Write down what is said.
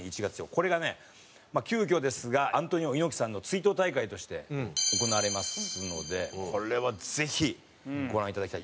これがねまあ急遽ですがアントニオ猪木さんの追悼大会として行われますのでこれはぜひご覧いただきたい。